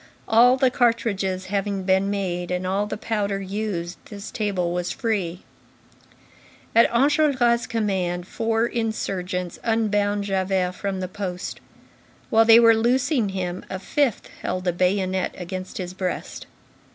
All the cartridges having been made, and all the powder used, this table was free. At Enjolras' command, four insurgents unbound Javert from the post. While they were loosing him, a fifth held a bayonet against his breast.